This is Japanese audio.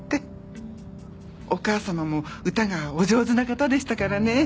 お母様も歌がお上手な方でしたからね。